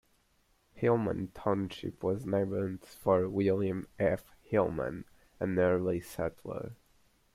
Hillman Township was named for William F. Hillman, an early settler.